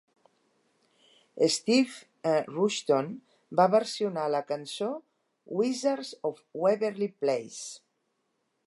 Steve Rushton va versionar la cançó Wizards of Waverly Place.